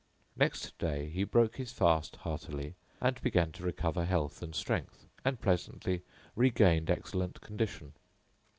Next day he broke his fast heartily and began to recover health and strength, and presently regained excellent condition.